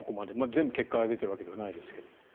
全部結果が出ているわけではないですが。